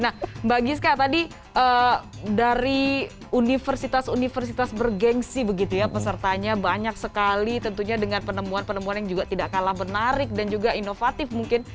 nah mbak giska tadi dari universitas universitas bergensi begitu ya pesertanya banyak sekali tentunya dengan penemuan penemuan yang juga tidak kalah menarik dan juga inovatif mungkin